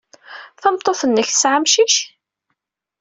Tameṭṭut-nnek tesɛa amcic?